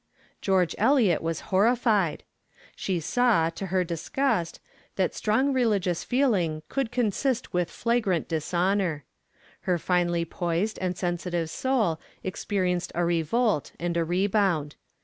_' George Eliot was horrified. She saw, to her disgust, that strong religious feeling could consist with flagrant dishonor. Her finely poised and sensitive soul experienced a revolt and a rebound.